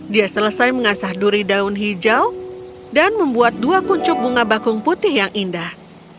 dia selesai mengasah duri daun hijau dan membuat dua kuncup bunga bakung putih yang indah